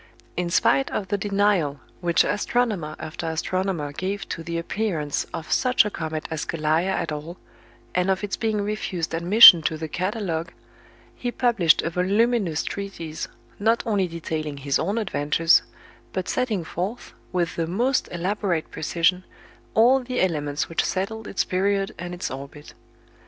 In spite of the denial which astronomer after astronomer gave to the appearance of such a comet as Gallia at all, and of its being refused admission to the catalogue, he published a voluminous treatise, not only detailing his own adventures, but setting forth, with the most elaborate precision, all the elements which settled its period and its orbit.